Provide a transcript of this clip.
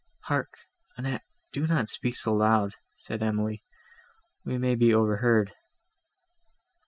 "Hark! Annette, do not speak so loud," said Emily, "we may be overheard."